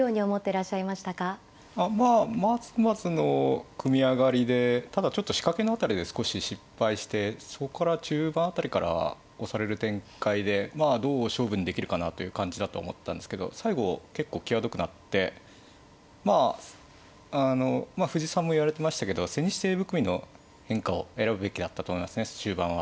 まあまずまずの組み上がりでただちょっと仕掛けの辺りで少し失敗してそこから中盤辺りから押される展開でまあどう勝負にできるかなという感じだと思ったんですけど最後結構際どくなってまああの藤井さんも言われてましたけど千日手含みの変化を選ぶべきだったと思いますね終盤は。